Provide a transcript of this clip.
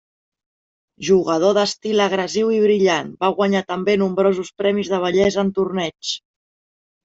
Jugador d'estil agressiu i brillant, va guanyar també nombrosos premis de bellesa en torneigs.